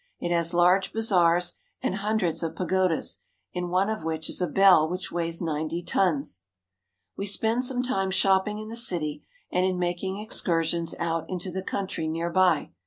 It has large bazaars and hundreds of pagodas, in one of which is a bell which weighs ninety tons. We spend some time shopping in the city and in mak ing excursions out into the country near by.